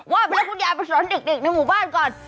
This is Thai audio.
ว่าไปแล้วคุณยายไปสอนดึกในหมู่บ้านก่อน